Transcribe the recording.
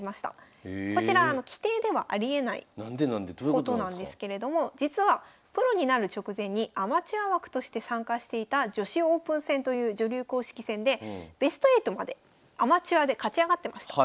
ことなんですけれども実はプロになる直前にアマチュア枠として参加していた女子オープン戦という女流公式戦でベスト８までアマチュアで勝ち上がってました。